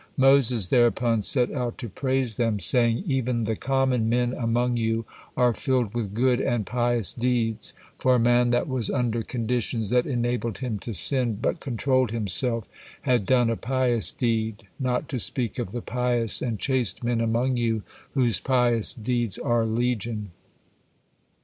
Moses thereupon set out to praise them, saying: "Even the common men among you are filled with good and pious deeds, for a man that was under conditions that enabled him to sin, but controlled himself, had done a pious deed, not to speak of the pious and chaste men among you whose pious deeds are legion."